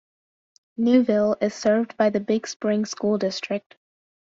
Newville is served by the Big Spring School District.